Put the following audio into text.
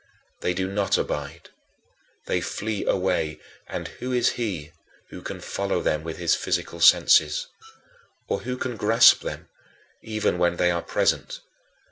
They do not abide. They flee away; and who is he who can follow them with his physical senses? Or who can grasp them, even when they are present?